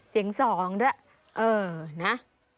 เสียงสองด้วยเออนะ